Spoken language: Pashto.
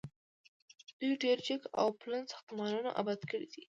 دوی ډیر جګ او پلن ساختمانونه اباد کړي دي.